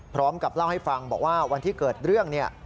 พร้อมกับเล่าให้ฟังบอกว่าวันที่เกิดเรื่องเนี่ย